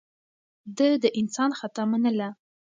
ده د انسان خطا منله.